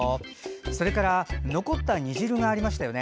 それから残った煮汁がありましたね。